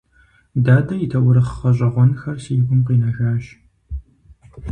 Дадэ и таурыхъ гъэщӀэгъуэнхэр си гум къинэжащ.